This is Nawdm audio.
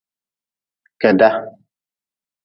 Keda.